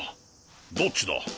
どっちだ？